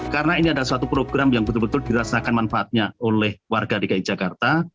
karena ini adalah suatu program yang betul betul dirasakan manfaatnya oleh warga dki jakarta